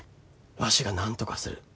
わしがなんとかする。